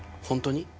本当に。